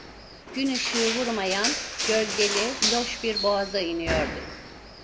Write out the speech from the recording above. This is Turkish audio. Gün ışığı vurmayan, gölgeli, loş bir boğaza iniyorduk.